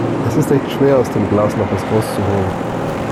Es ist echt schwer, aus dem Glas noch was rauszuholen.